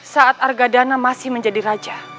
saat argadana masih menjadi raja